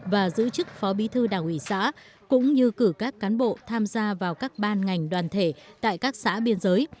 và giữ chức phó bí thư đảng ủy xã cũng như cử các cán bộ tham gia vào các ban ngành đoàn thể tại các xã biên giới